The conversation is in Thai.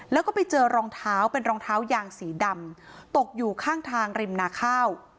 แล้วก็ไปเจอรองเท้าเป็นรองเท้ายางสีดำตกอยู่ข้างทางริมนาข้าว